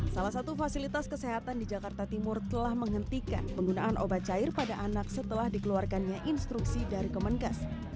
salah satu fasilitas kesehatan di jakarta timur telah menghentikan penggunaan obat cair pada anak setelah dikeluarkannya instruksi dari kemenkes